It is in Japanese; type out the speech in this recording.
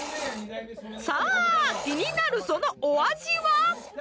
さあ気になるそのお味は？